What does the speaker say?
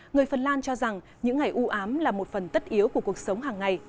người phần lan cho rằng những ngày ưu ám là một phần tất yếu của cuộc sống hàng ngày